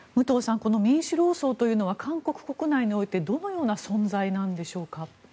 この民主労総というのは韓国国内においてどのような存在なのでしょうか。